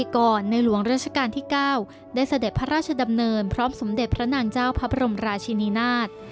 ก่อนในหลวงราชการที่๙ได้เสด็จพระราชดำเนินพร้อมสมเด็จพระนางเจ้าพระบรมราชินินาศ